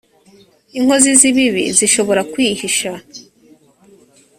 inkozi z ibibi zishobora kwihisha